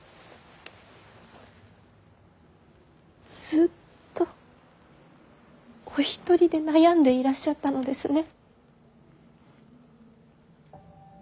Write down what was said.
ずっとお一人で悩んでいらっしゃったのですね。